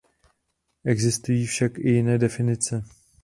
Existují však i jiné definice.